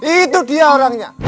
itu dia orangnya